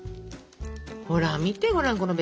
ほら見てごらんこのべっ甲色。